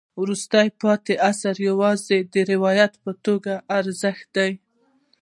وروسته پاتې عصر یوازې د روایت په توګه د ارزښت دی.